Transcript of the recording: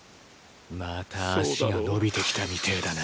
また足が伸びてきたみてぇだな。